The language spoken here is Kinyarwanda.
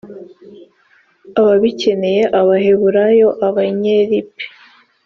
ababikeneye abaheburayo abanyelipi